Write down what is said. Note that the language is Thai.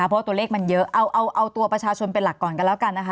เพราะตัวเลขมันเยอะเอาตัวประชาชนเป็นหลักก่อนกันแล้วกันนะคะ